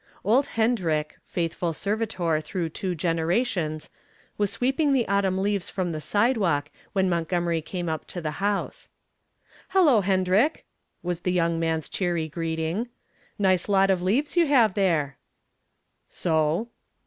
Old Hendrick, faithful servitor through two generations, was sweeping the autumn leaves from the sidewalk when Montgomery came up to the house. "Hello, Hendrick," was the young man's cheery greeting. "Nice lot of leaves you have there." "So?"